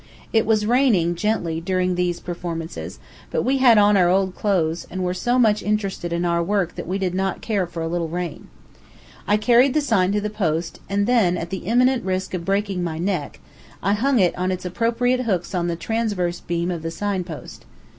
It was raining, gently, during these performances, but we had on our old clothes, and were so much interested in our work that we did not care for a little rain. I carried the sign to the post, and then, at the imminent risk of breaking my neck, I hung it on its appropriate hooks on the transverse beam of the sign post.